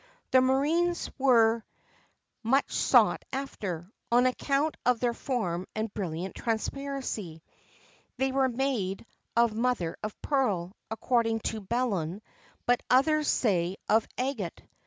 [XXVII 33] The Murrhines were much sought after, on account of their form and brilliant transparency: they were made of mother of pearl, according to Belon, but others say of agate.